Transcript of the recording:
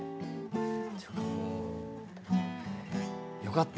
よかったね。